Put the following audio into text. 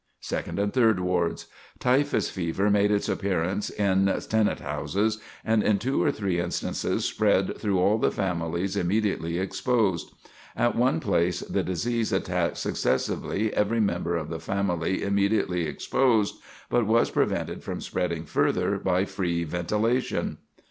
Second and Third Wards: Typhus fever made its appearance in tenant houses, and in two or three instances spread through all the families immediately exposed. At one place the disease attacked successively every member of the family immediately exposed, but was prevented from spreading further by free ventilation.